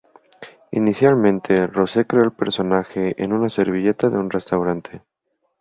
Inicialmente Rose creó el personaje en una servilleta de un restaurante.